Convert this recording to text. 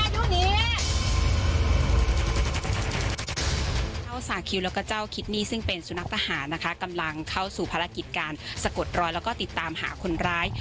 เจ้าสาวคิวแล้วก็เจ้าคิตนี่ซึ่งเป็นสุนัขทหารนะคะกำลังเข้าสู่ภารกิจการสะกดรอยแล้วก็ติดตามหาคนร้าย